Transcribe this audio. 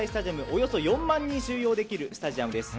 およそ４万人収容できるスタジアムです。